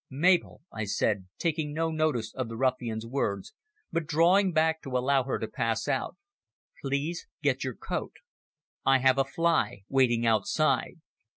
"Mabel," I said, taking no notice of the ruffian's words, but drawing back to allow her to pass out, "please get your coat. I have a fly waiting outside."